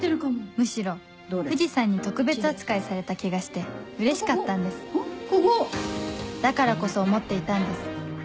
むしろ藤さんに特別扱いされた気がしてうれしかったんですだからこそ思っていたんです